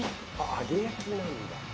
揚げ焼きなんだ。